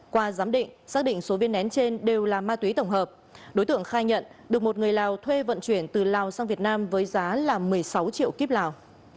qua giám định xác định số viên nén trên đều là ma túy tổng hợp đối tượng khai nhận được một người lào thuê vận chuyển từ lào sang việt nam với giá là một mươi sáu triệu kíp lào